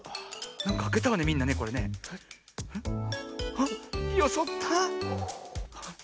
あっよそった。